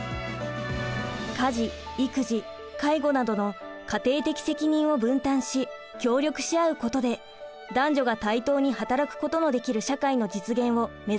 家事育児介護などの家庭的責任を分担し協力し合うことで男女が対等に働くことのできる社会の実現を目指したのです。